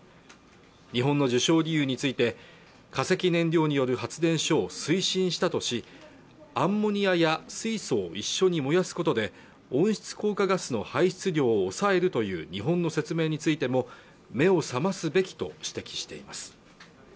日本の受賞理由について化石燃料による発電所を推進したとしアンモニアや水素を一緒に燃やすことで温室効果ガスの排出量を抑えるという日本の説明についても目を覚ますべきと指摘しています